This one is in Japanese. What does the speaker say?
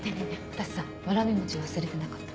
私さわらび餅忘れてなかった？